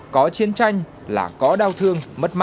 có chiến tranh là có đau thương mất mắt